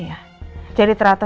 janganlah ke sana